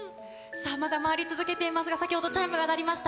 さあ、まだ回り続けていますが、ここでチャイムが鳴りました。